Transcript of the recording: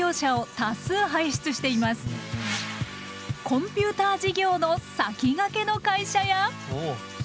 コンピューター事業の先駆けの会社や。